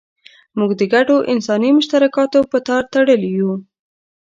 موږ د ګډو انساني مشترکاتو په تار تړلي یو.